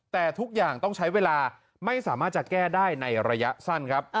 แต่ทุกอย่างต้องใช้เวลาไม่สามารถจะแก้ได้ในระยะสั้นครับ